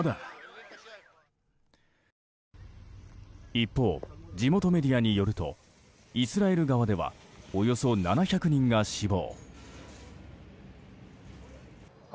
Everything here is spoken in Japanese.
一方、地元メディアによるとイスラエル側ではおよそ７００人が死亡。